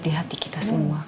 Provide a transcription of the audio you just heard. di hati kita semua